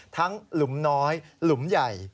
หลุมน้อยหลุมใหญ่